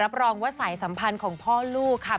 รองว่าสายสัมพันธ์ของพ่อลูกค่ะ